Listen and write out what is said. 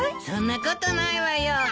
そんなことないわよ。